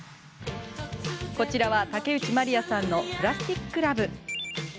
こちらは、竹内まりやさんの「プラスティック・ラヴ」。